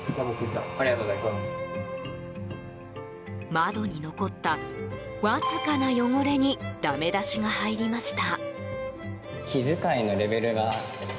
窓に残った、わずかな汚れにだめ出しが入りました。